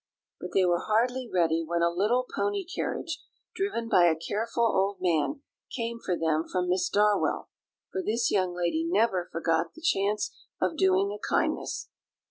But they were hardly ready when a little pony carriage, driven by a careful old man, came for them from Miss Darwell; for this young lady never forgot the chance of doing a kindness.